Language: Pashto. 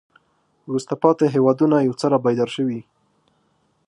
وروسته پاتې هېوادونه یو څه را بیدار شوي.